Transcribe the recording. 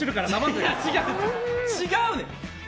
違うねん！